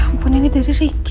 ya ampun ini dari ricky